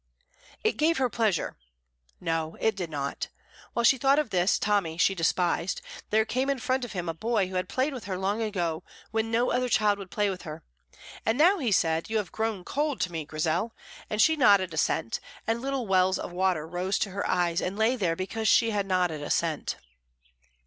It gave her pleasure; no, it did not. While she thought of this Tommy she despised, there came in front of him a boy who had played with her long ago when no other child would play with her, and now he said, "You have grown cold to me, Grizel," and she nodded assent, and little wells of water rose to her eyes and lay there because she had nodded assent.